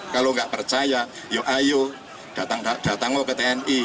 kalau tidak percaya yuk ayo datang ke tni